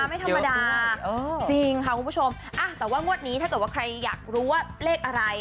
ไม่ธรรมดาจริงค่ะคุณผู้ชมแต่ว่างวดนี้ถ้าเกิดว่าใครอยากรู้ว่าเลขอะไร